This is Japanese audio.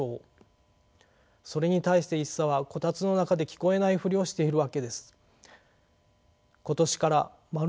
それに対して一茶は炬燵の中で聞こえないふりをしているわけです。